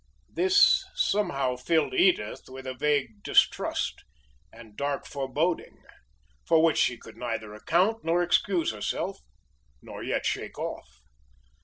This somehow filled Edith with a vague distrust, and dark foreboding, for which she could neither account, nor excuse herself, nor yet shake off.